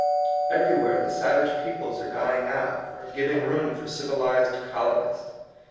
Everywhere the savage peoples are dying out, or giv ing room for civilized colonists.